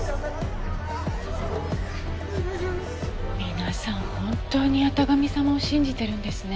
皆さん本当に八咫神様を信じてるんですね。